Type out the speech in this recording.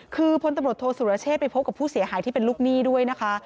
คือพลตำรวจโทษสุรเชษไปพบกับผู้เสียหายที่เป็นลูกหนี้ด้วยนะคะ